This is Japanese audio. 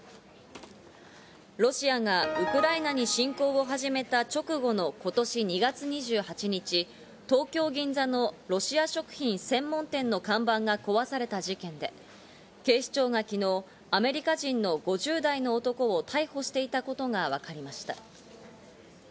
ロシアがウクライナに侵攻を始めた直後の今年２月２８日、東京・銀座のロシア食品専門店の看板が壊された事件で、警視庁が昨日、アメリカ人の５０代の男を逮捕していたことがわかりました。